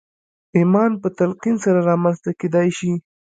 ايمان په تلقين سره رامنځته کېدای شي.